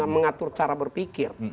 mengatur cara berpikir